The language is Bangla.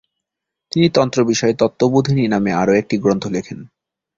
তিনি তন্ত্র বিষয়ে "তত্ত্ববোধিনী" নামে আরও একটি গ্রন্থ লেখেন।